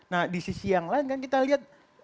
nah di sisi yang lain kan kita lihat